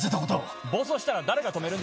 暴走したら誰が止めるんですか？